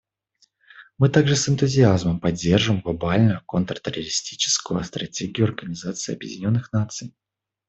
Мы также с энтузиазмом поддерживаем Глобальную контртеррористическую стратегию Организации Объединенных Наций.